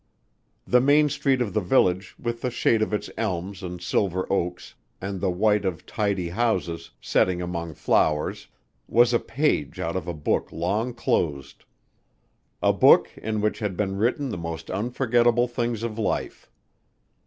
The main street of the village with the shade of its elms and silver oaks, and the white of tidy houses, setting among flowers, was a page out of a book long closed; a book in which had been written the most unforgettable things of life.